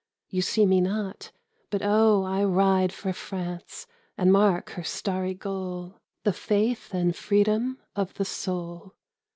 You see me not, but oh, I ride For France, and mark her starry goal, The faith and freedom of the soul.